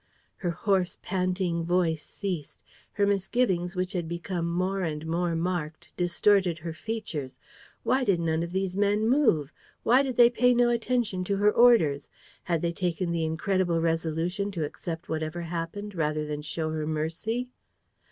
Her hoarse, panting voice ceased. Her misgivings, which had become more and more marked, distorted her features. Why did none of those men move? Why did they pay no attention to her orders? Had they taken the incredible resolution to accept whatever happened rather than show her mercy?